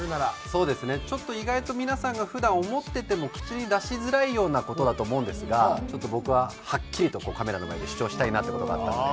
そうですねちょっと意外と皆さんが普段思ってても口に出しづらいような事だと思うんですがちょっと僕ははっきりとカメラの前で主張したいなって事があったんで。